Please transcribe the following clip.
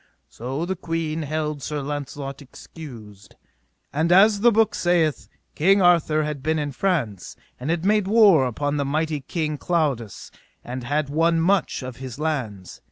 So the queen held Sir Launcelot excused. And as the book saith, King Arthur had been in France, and had made war upon the mighty King Claudas, and had won much of his lands.